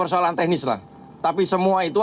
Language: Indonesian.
persoalan teknis lah tapi semua itu